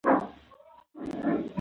انټرنیټ معلوماتو ته لاسرسی اسانه کړی دی.